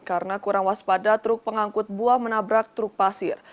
karena kurang waspada truk pengangkut buah menabrak truk pasir